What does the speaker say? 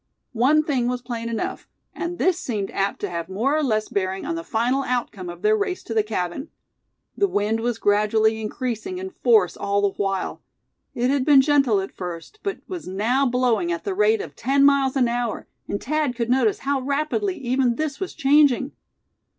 One thing was plain enough, and this seemed apt to have more or less bearing on the final outcome of their race to the cabin. The wind was gradually increasing in force all the while. It had been gentle at first, but was now blowing at the rate of ten miles an hour, and Thad could notice how rapidly even this was changing.